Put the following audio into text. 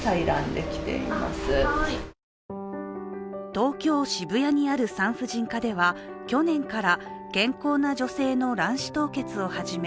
東京・渋谷にある産婦人科では去年から健康な女性の卵子凍結を始め